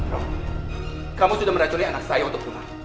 tom kamu sudah meracuni anak saya untuk tunam